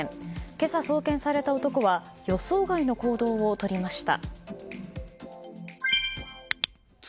今朝送検された男は予想外の行動をとりました。